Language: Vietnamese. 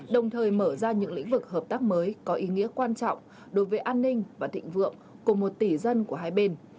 đồng thời mở ra những lĩnh vực hợp tác mới có ý nghĩa quan trọng đối với an ninh và thịnh vượng của một tỷ dân của hai bên